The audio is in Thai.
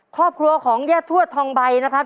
ครอบครัวของย่าทวดทองใบนะครับ